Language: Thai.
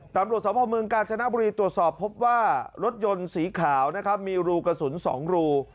ตำรวจสวพมืองกาญชนาบุรีตรวจสอบว่ารถยนต์สีขาวมีรูกระสุน๒รู